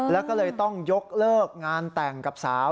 แล้วก็เลยต้องยกเลิกงานแต่งกับสาว